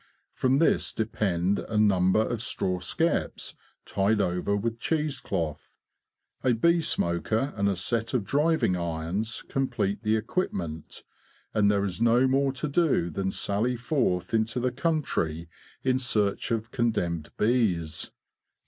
From this depend a number of straw skeps tied over with cheese cloth. A bee smoker and a set of driving irons complete the equipment, and there is no more to do than sally forth into the country in search of condemned bees.